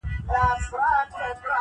یار له جهان سره سیالي کوومه ښه کوومه,